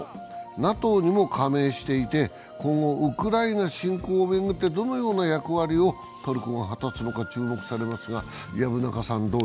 ＮＡＴＯにも加盟していて今後、ウクライナ侵攻を巡ってどのような役割をトルコが果たすのか注目されます。